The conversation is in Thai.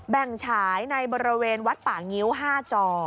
ฉายในบริเวณวัดป่างิ้ว๕จอ